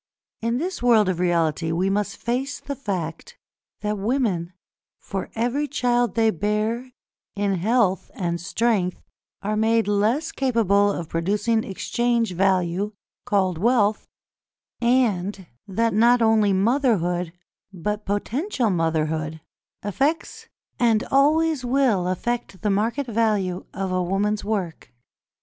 In this world of reality, we must face the fact that women, for every child they bear in health and strength, are made less capable of producing exchange value (called wealth), and that not only motherhood, but potential motherhood, affects and always will affect the market value of a woman's work.